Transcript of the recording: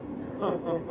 ハハハハハ！